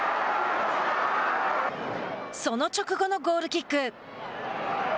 その直後のゴールキック。